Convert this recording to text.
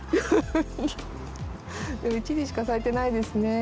でも一輪しか咲いてないですね。